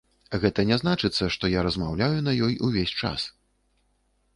Гэта не значыцца, што я размаўляю на ёй увесь час.